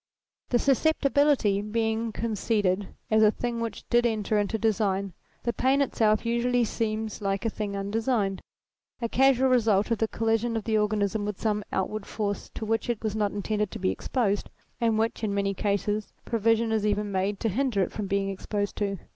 The susceptibility being conceded as a thing which did enter into design, the pain itself usually seems like a thing undesigned ; a casual result of the collision of the organism with some outward force to which it was not intended to be exposed, and which, in many cases, provision is even made to hinder it from being exposed to.